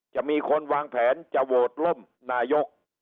จะมีคนวางแผนจะโหวตล่มนายก